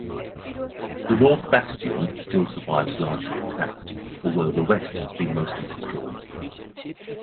The north bastion still survives largely intact, although the west has been mostly destroyed.